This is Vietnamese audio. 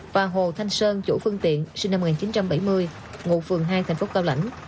và hồ thanh sơn chủ phương tiện sinh năm một nghìn chín trăm bảy mươi ngụ phường hai thành phố cao lãnh